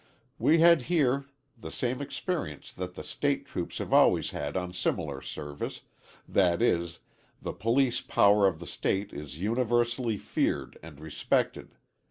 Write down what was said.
We had here the same experience that the State troops have always had on similar service, that is, the police power of the State is universally feared and respected.